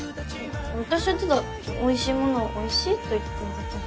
わ私はただおいしいものをおいしいと言っただけで。